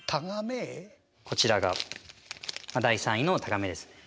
こちらが第３位のタガメですね。